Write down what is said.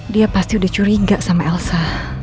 dia pasti udah curiga sama elsa